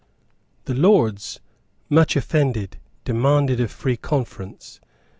The Lords, much offended, demanded a free conference.